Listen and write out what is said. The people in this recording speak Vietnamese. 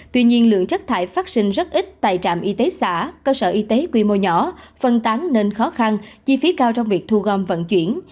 tuy nhiên lượng chất thải phát sinh rất ít tại trạm y tế xã cơ sở y tế quy mô nhỏ phân tán nên khó khăn chi phí cao trong việc thu gom vận chuyển